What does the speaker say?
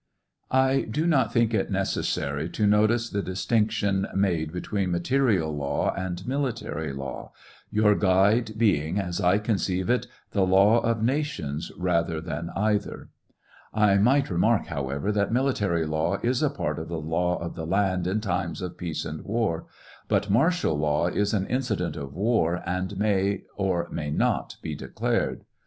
I do not think it necessary to notice the distinction made between material law and military law, your guide being, as I conceive it, the law of nations rathej than either. I might remark, however, tha.t military law is a part of the law oi the land in times of peace and war ; hut martial law is an incident of war, and may or may not be declared.